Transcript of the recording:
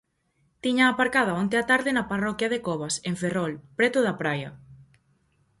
Tíñaa aparcada onte á tarde na parroquia de Cobas, en Ferrol, preto da praia.